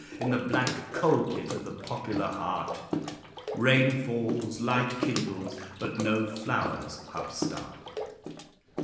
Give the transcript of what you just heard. In the black coal pit of the popular heart Rain falls, light kindles, but no flowers upstart.